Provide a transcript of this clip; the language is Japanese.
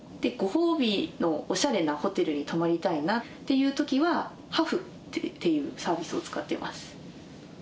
ご褒美のおしゃれなホテルに泊まりたいなっていうときはＨａｆＨっていうサービスを使っています。